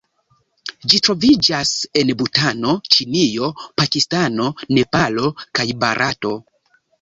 Ĝi troviĝas en Butano, Ĉinio, Pakistano, Nepalo kaj Barato.